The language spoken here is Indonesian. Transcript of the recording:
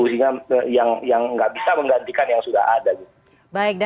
sehingga yang nggak bisa menggantikan yang sudah ada